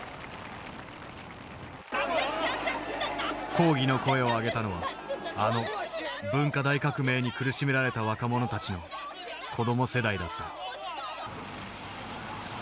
抗議の声を上げたのはあの文化大革命に苦しめられた若者たちの子ども世代だった。